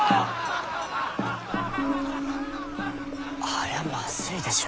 あれはまずいでしょ。